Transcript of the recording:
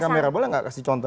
kamera bola nggak kasih contoh